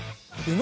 何？